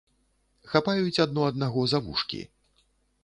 Хапаюць адно аднаго за вушкі.